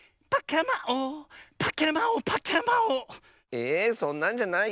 えそんなんじゃないよ。